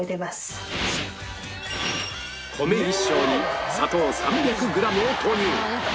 米一升に砂糖３００グラムを投入